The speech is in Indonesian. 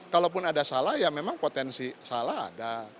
kalaupun ada salah ya memang potensi salah ada